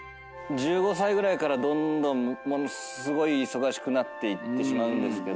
１５歳ぐらいからどんどんものすごい忙しくなっていってしまうんですけど。